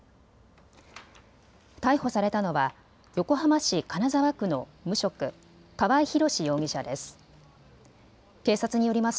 逮捕されたのは横浜市金沢区の無職、川合廣司容疑者です。